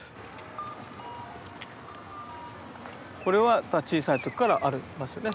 これは小さい時からありますよね。